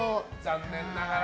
残念ながら。